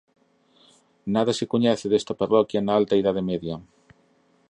Nada se coñece desta parroquia na alta Idade Media.